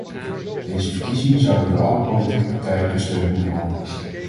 Deze verkiezingen zouden door alle politieke partijen gesteund moeten worden.